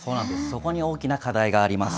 そこに大きな課題があります。